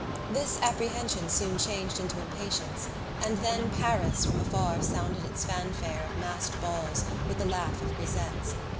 This apprehension soon changed into impatience, and then Paris from afar sounded its fanfare of masked balls with the laugh of grisettes.